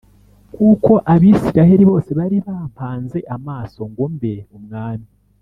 kuko Abisirayeli bose bari bampanze amaso ngo mbe umwami.